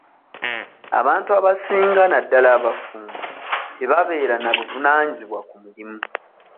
Abantu abasinga naddala abafumbo tebabeera na buvunaanyizibwa ku mirimu.